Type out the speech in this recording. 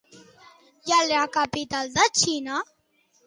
I a la capital de Xina?